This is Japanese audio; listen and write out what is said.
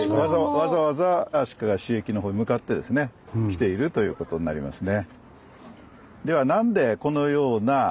わざわざ足利市駅のほうに向かってきているということになりますね。